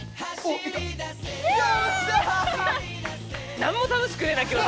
何も楽しくねえな今日の旅。